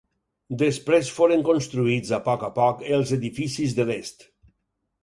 Després foren construïts a poc a poc, els edificis de l'est.